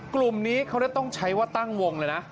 กลุ่มนี้เขาต้องใช้ว่าตั้งวงเลยนะ